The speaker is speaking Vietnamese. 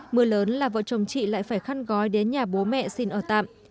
mưa lớn là vợ chồng chị lại phải khăn gói đến nhà bố mẹ xin ở tạm